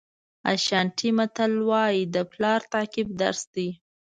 اشانټي متل وایي د پلار تعقیب درس دی.